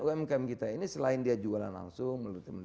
umkm kita ini selain dia jualan langsung melalui